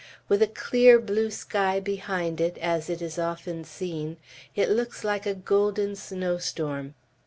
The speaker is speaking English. With a clear blue sky behind it, as it is often seen, it looks like a golden snow storm.